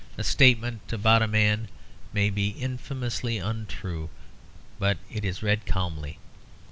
A statement about a man may be infamously untrue, but it is read calmly.